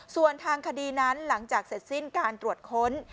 ส่วนทางคดีนั้นหลังจากเสร็จสิ้นการตรวจค้น